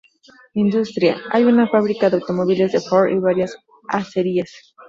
Industria: hay una fábrica de automóviles de Ford y varias acerías.